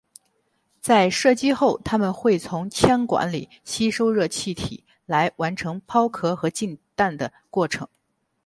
在射击后它们会从枪管里吸收热气体来完成抛壳和进弹的过程。